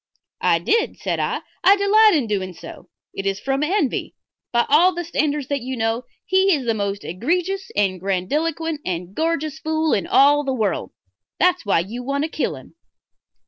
"I did," said I. "I delight in doing so. It is from envy. By all the standards that you know he is the most egregious and grandiloquent and gorgeous fool in all the world. That's why you want to kill him."